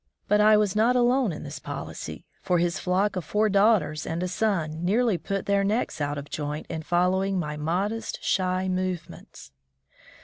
But I was not alone in this policy, for his flock of four daughters and a son nearly put their necks out of joint in following my modest, shy movements.